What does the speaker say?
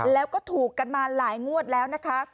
แล้วก็ถูกกันมาหลายงวดแล้วนะคะ